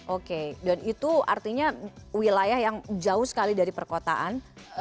oke dan itu artinya wilayah yang jauh sekali dari perkotaan